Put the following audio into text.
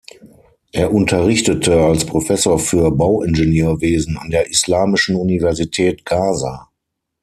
Er unterrichtete als Professor für Bauingenieurwesen an der Islamischen Universität Gaza.